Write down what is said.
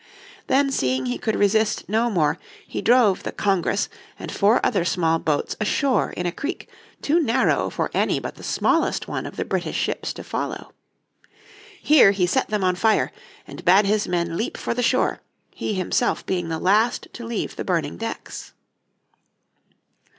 Then seeing he could resist no more he drove the Congress and four other small boats ashore in a creek too narrow for any but the smallest one of the British ships to follow. Here he set them on fire, and bade his men leap for the shore, he himself being the last to leave the burning decks.